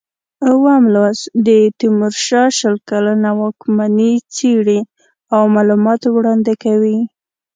اووم لوست د تیمورشاه شل کلنه واکمني څېړي او معلومات وړاندې کوي.